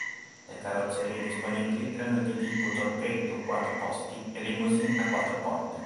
Le carrozzerie disponibili erano di tipo torpedo quattro posti e limousine a quattro porte.